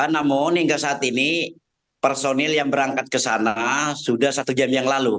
namun hingga saat ini personil yang berangkat ke sana sudah satu jam yang lalu